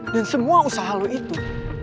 dan semua usaha lo itu